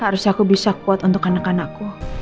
harus aku bisa kuat untuk anak anakku